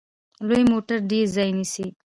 لوی موټر ډیر ځای نیسي.